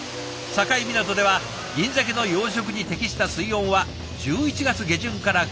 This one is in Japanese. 境港ではギンザケの養殖に適した水温は１１月下旬から５月半ばまで。